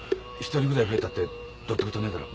１人ぐらい増えたってどうってことねえだろ。